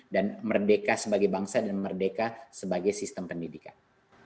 dan merdeka sebagai bangsa dan merdeka sebagai sistem pendidikan